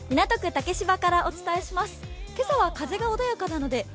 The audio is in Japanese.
竹芝からお伝えします。